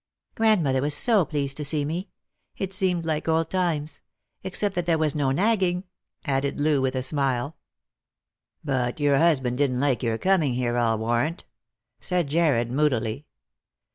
Grandmother was so pleased to see me. It seemed like old times; except that there was no nagging," added Loo, with a smile. " But your husband didn't like your coming here, I'll war rant." said Jarred moodily.